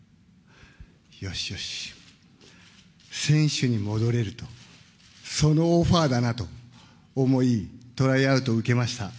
よしよし、選手に戻れると、そのオファーだなと思い、トライアウト受けました。